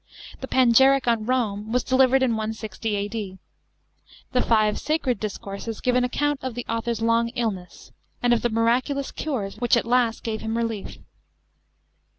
The Panegyric on Rome was de livered in 160 A.D. The five Sacred Discourses, f give an account of the author's long illness, and of the miraculous cures which at last gave him relief.